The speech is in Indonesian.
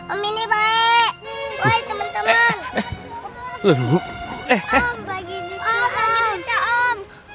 om bagi duitnya om